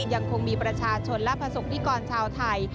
ยังคงมีประชาชนและประสบนิกรชาวไทย